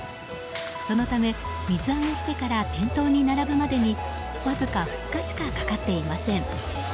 そのため、水揚げしてから店頭に並ぶまでにわずか２日しかかかっていません。